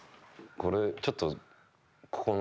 これちょっとここの。